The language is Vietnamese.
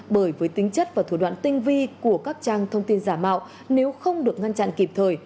bởi với tính chất và thủ đoạn tinh vi của các trang thông tin giả mạo nếu không được ngăn chặn kịp thời